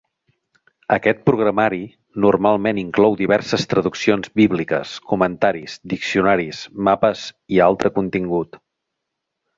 Aquest programari normalment inclou diverses traduccions bíbliques, comentaris, diccionaris, mapes i altre contingut.